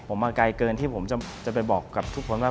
ผมมาไกลเกินที่ผมจะไปบอกกับทุกคนว่า